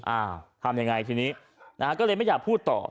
อ้าวทำยังไงทีนี้นะฮะก็เลยไม่อยากพูดต่อ